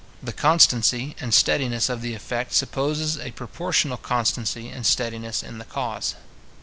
The constancy and steadiness of the effect supposes a proportionable constancy and steadiness in the cause.